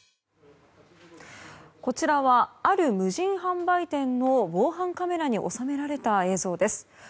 こちらはある無人販売店の防犯カメラに収められた映像です。